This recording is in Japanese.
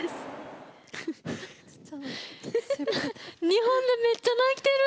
日本でめっちゃ泣いてる！